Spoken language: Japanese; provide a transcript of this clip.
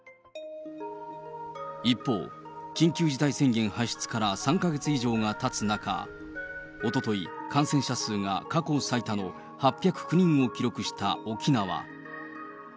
一方、緊急事態宣言発出から３か月以上がたつ中、おととい、感染者数が過去最多の８０９人を記録した沖縄。